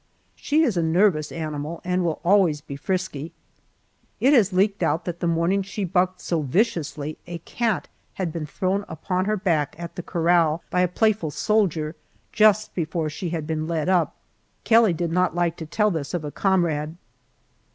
She is a nervous animal and will always be frisky. It has leaked out that the morning she bucked so viciously, a cat had been thrown upon her back at the corral by a playful soldier, just before she had been led up. Kelly did not like to tell this of a comrade.